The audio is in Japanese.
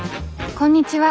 こんにちは。